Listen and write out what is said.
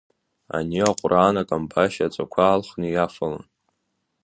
Ани аҟәраан акамбашь аҵақәа алхны иафалон.